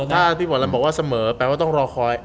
ถ้าพี่บอกแล้วว่าเสมอแปลว่าต้องรอคอย